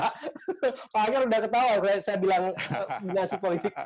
pak akyar sudah tahu saya bilang dinasi politik